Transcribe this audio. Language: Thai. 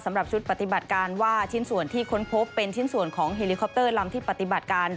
สำหรับชุดปฏิบัติการว่าชิ้นส่วนที่ค้นพบเป็นชิ้นส่วนของเฮลิคอปเตอร์ลำที่ปฏิบัติการ